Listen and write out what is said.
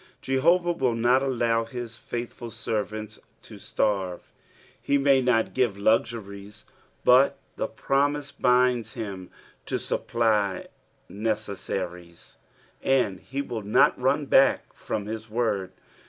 Jehovah will not allow his futhful servantB to starve. He ma; not give Igsuriea, but the promise binds liim U> Bupplj necessaries, and he will not run back from hia word.